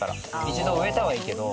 一度植えたはいいけど。